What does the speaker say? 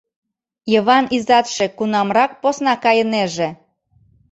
Йыван изатше кунамрак посна кайынеже?